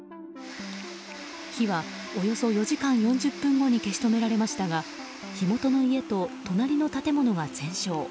火はおよそ４時間４０分後に消し止められましたが火元の家と隣の建物が全焼。